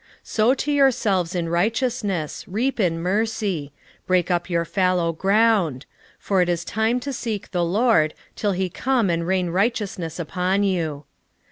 10:12 Sow to yourselves in righteousness, reap in mercy; break up your fallow ground: for it is time to seek the LORD, till he come and rain righteousness upon you.